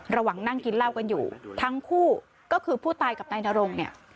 ระหว่างนั่งกินเหล้ากันอยู่ทั้งคู่ก็คือผู้ตายกับนายนรงเนี่ย